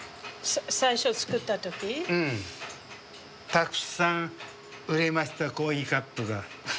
たくさん売れましたコーヒーカップが。